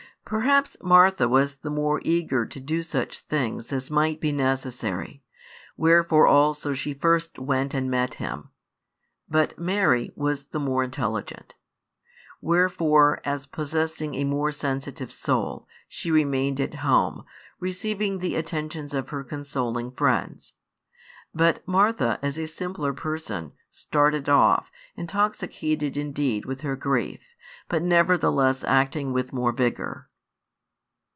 Perhaps Martha was the more eager to do such things as might be necessary; wherefore also she first went and met Him: but Mary was the more intelligent. Wherefore, as possessing a more sensitive soul, she remained at home, receiving the attentions of her consoling friends; but Martha, as a simpler person, started off, intoxicated indeed with her grief, but nevertheless acting with more vigour.